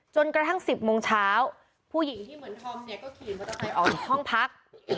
กระทั่ง๑๐โมงเช้าผู้หญิงที่เหมือนธอมเนี่ยก็ขี่มอเตอร์ไซค์ออกจากห้องพัก